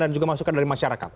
dan juga masukan dari masyarakat